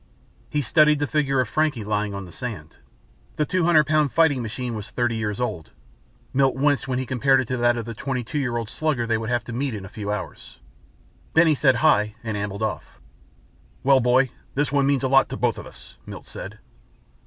He studied the figure of Frankie lying on the sand. The two hundred pound fighting machine was thirty years old. Milt winced when he compared it to that of the twenty two year old slugger they would have to meet in a few hours. Benny said "Hi," and ambled off. "Well, boy, this one means a lot to both of us," Milt said.